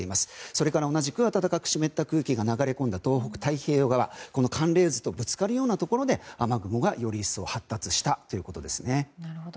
それから同じく暖かく湿った空気が流れ込んだ東北、太平洋側寒冷渦とぶつかるところで雨雲がより一層発達したということですね。